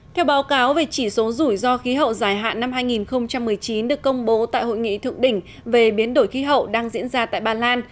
theo báo cáo về chỉ số rủi ro khí hậu dài hạn năm hai nghìn một mươi chín được công bố tại hội nghị thượng đỉnh về biến đổi khí hậu đang diễn ra tại ba lan